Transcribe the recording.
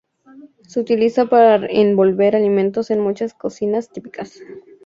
Se utiliza para envolver alimentos en muchas cocinas típicas.